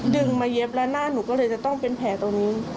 ดึงมาเย็บแล้วหน้าหนูก็เลยจะต้องเป็นแผลตรงนี้